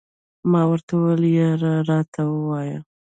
ما ورته وویل، یا راته ووایه.